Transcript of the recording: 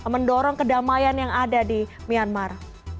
mendorong kedamaian yang ada di myanmar